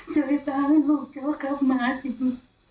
จ่อยตาให้ลูกเจ้ากลับมาจริง